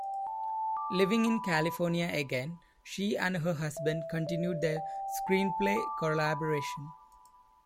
Living in California again, she and her husband continued their screenplay collaboration.